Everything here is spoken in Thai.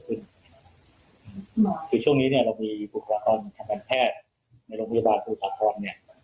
คือช่วงนี้เรามีผู้ประกอบทางแพทย์ในโรงพยาบาลสมุทรสาขอน